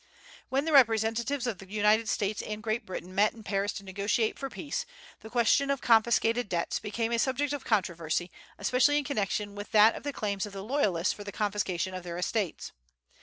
When the representatives of the United States and Great Britain met in Paris to negotiate for peace, the question of the confiscated debts became a subject of controversy, especially in connection with that of the claims of the loyalists for the confiscation of their estates.